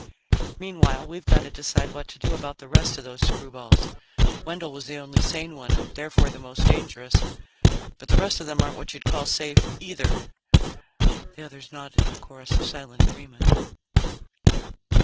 "Meanwhile, we've got to decide what to do about the rest of those screwballs. Wendell was the only sane one, and therefore the most dangerous but the rest of them aren't what you'd call safe, either." The others nodded in a chorus of silent agreement.